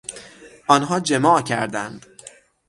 آنها جماع کردند.